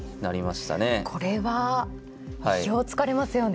これは意表をつかれますよね。